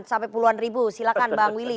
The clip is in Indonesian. sampai puluhan ribu silahkan bang willy